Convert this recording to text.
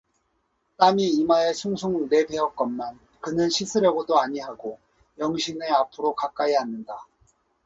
땀이 이마에 숭숭 내배었건만 그는 씻으려고도 아니 하고 영신의 앞으로 가까이 앉는다.